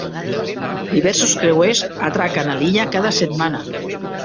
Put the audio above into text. Diversos creuers atraquen a l'illa cada setmana.